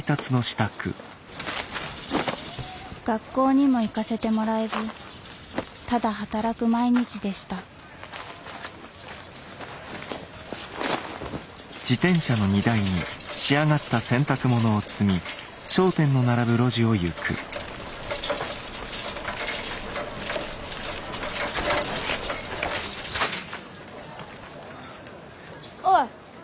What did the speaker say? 学校にも行かせてもらえずただ働く毎日でしたおい。